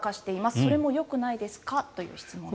それもよくないですか？という質問です。